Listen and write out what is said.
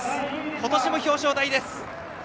今年も表彰台です。